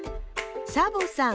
サボさん